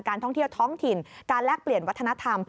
ท่องเที่ยวท้องถิ่นการแลกเปลี่ยนวัฒนธรรม